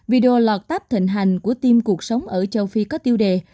video lọt tắp thịnh hành của team cuộc sống ở châu phi có tiêu đề